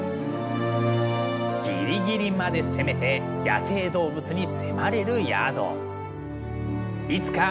ギリギリまで攻めて野生動物に迫れる宿。